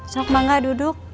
sok bangga duduk